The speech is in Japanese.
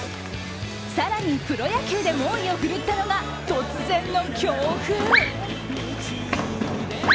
更にプロ野球で猛威を振るったのが突然の強風。